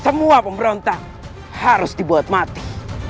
semua pemberontak harus dibuat mati